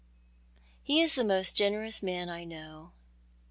" He is the most generous man I know.